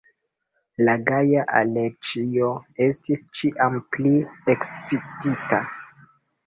La gaja Aleĉjo estis ĉiam pli ekscitita.